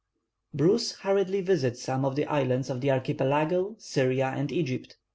Bruce hurriedly visited some of the islands of the Archipelago, Syria, and Egypt.